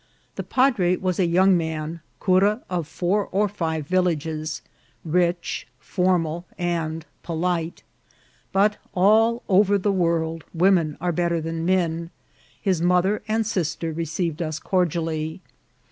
The padre was a young man, eura of four or five villages, rich, formal, and polite ; but all over the world women are better than men ; his mother and sister received us cordially.